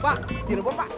pak jerebon pak